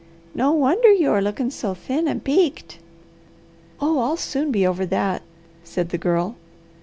No wonder you are lookin' so thin and peaked!" "Oh I'll soon be over that," said the Girl.